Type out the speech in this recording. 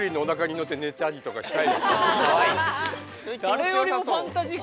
誰よりもファンタジック。